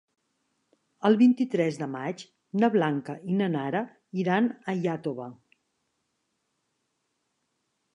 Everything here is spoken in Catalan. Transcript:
El vint-i-tres de maig na Blanca i na Nara iran a Iàtova.